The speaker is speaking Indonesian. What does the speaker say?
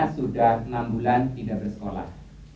kalau membuat hati kamu jadi sedih